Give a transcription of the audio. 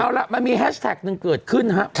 เอาล่ะมันมีแฮชแท็กหนึ่งเกิดขึ้นนะครับ